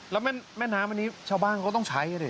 แล้วแม่น้ำอันนี้ชาวบ้านเขาต้องใช้อ่ะดิ